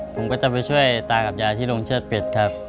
ผมก็จะไปช่วยตากับยายที่โรงเชิดเป็ดครับ